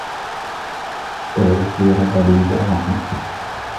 حَتَّى يَصِيرَ بَلِيدَ الرَّأْيِ